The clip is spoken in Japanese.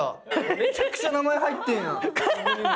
めちゃくちゃ名前入ってんやん。